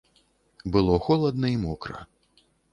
Было холадна і мокра.